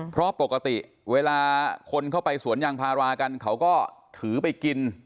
เพราะปกติเวลาคนเข้าไปสวนยางพารากันเขาก็ถือไปกิน